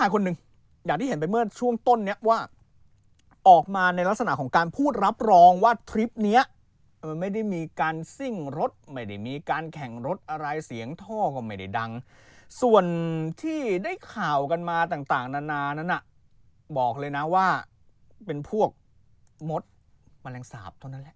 คลิปเนี้ยมันไม่ได้มีการซิ่งรถไม่ได้มีการแข่งรถอะไรเสียงท่อก็ไม่ได้ดังส่วนที่ได้ข่าวกันมาต่างต่างนานานั้นน่ะบอกเลยน่ะว่าเป็นพวกมดมะแรงสาบตัวนั้นแหละ